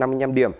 thông tin vừa rồi